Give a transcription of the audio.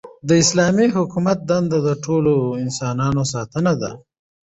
د اسلامي حکومت دنده د ټولو انسانانو ساتنه ده.